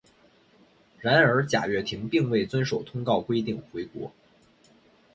然而贾跃亭并未遵守通告规定回国。